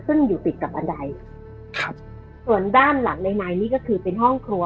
ซึ่งอยู่ติดกับบันไดครับส่วนด้านหลังในนี่ก็คือเป็นห้องครัว